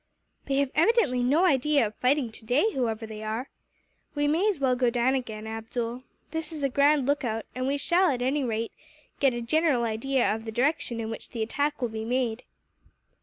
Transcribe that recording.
"They have evidently no idea of fighting, today, whoever they are. We may as well go down again, Abdool. This is a grand lookout; and we shall, at any rate, get a general idea of the direction in which the attack will be made."